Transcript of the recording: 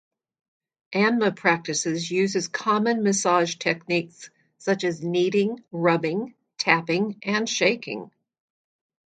Anma practices uses common massage techniques such as kneading, rubbing, tapping and shaking.